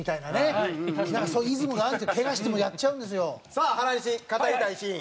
さあ原西語りたいシーン。